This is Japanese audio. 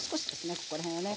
ここら辺はね。